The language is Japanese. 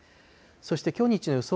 そしてきょう日中の予想